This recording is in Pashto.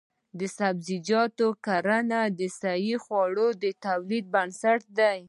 د سبزیجاتو کرنه د صحي خوړو د تولید بنسټ دی.